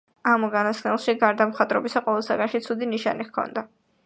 ამ უკანასკნელში გარდა მხატვრობისა ყველა საგანში ცუდი ნიშანი ჰქონდა.